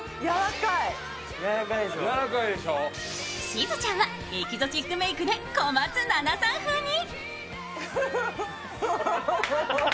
しずちゃんはエキゾチックメークで小松菜奈さん風に。